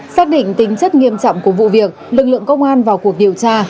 xác định tính chất nghiêm trọng của vụ việc lực lượng công an vào cuộc điều tra